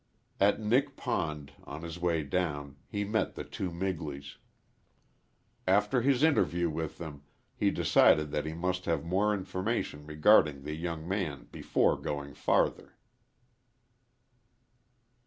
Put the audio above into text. At Nick Pond, on his way down, he met the two Migleys. After his interview with them he decided that he must have more information regarding the young man before going farther.